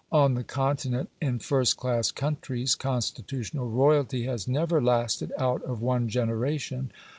On the Continent, in first class countries, constitutional royalty has never lasted out of one generation.